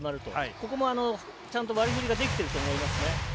ここもちゃんと割振りができていると思います。